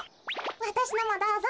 わたしのもどうぞ。